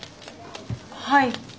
はい。